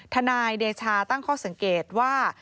นายเดชาตั้งข้อสังเกตว่า